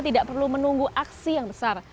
tidak perlu menunggu aksi yang besar